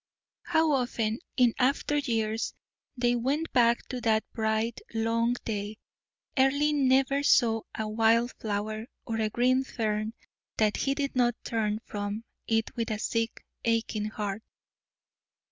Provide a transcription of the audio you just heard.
How often, in after years, they went back to that bright, long day. Earle never saw a wild flower, or a green fern, that he did not turn from it with a sick, aching heart.